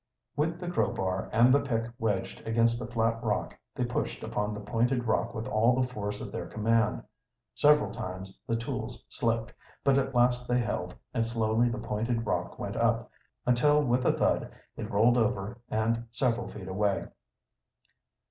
With the crowbar and the pick wedged against the flat rock they pushed upon the pointed rock with all the force at their command. Several times the tools slipped, but at last they held, and slowly the pointed rock went up, until with a thud it rolled over and several feet away.